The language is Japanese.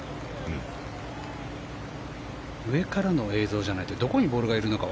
上からの映像じゃないとどこにボールがいるのか